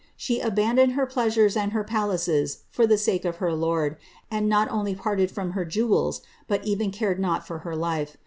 She abandoned her pleasures and her palaces for the sake of her lord, and not only parted from her jewels, but even cared not (or her life.